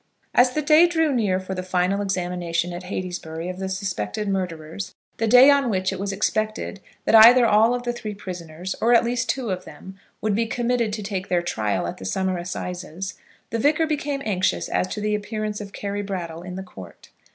As the day drew near for the final examination at Heytesbury of the suspected murderers, the day on which it was expected that either all the three prisoners, or at least two of them, would be committed to take their trial at the summer assizes, the Vicar became anxious as to the appearance of Carry Brattle in the Court.